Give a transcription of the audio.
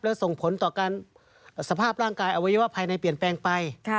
และส่งผลต่อการสภาพร่างกายอวัยวะภายในเปลี่ยนแปลงไป